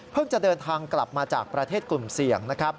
เพิ่งจะเดินทางกลับมาจากประเทศกลุ่มเสี่ยง